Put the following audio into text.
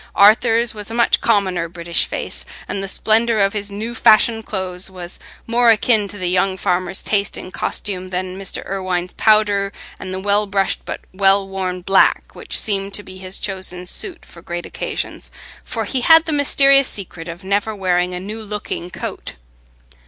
Arthur's was a much commoner British face, and the splendour of his new fashioned clothes was more akin to the young farmer's taste in costume than Mr. Irwine's powder and the well brushed but well worn black, which seemed to be his chosen suit for great occasions; for he had the mysterious secret of never wearing a new looking coat.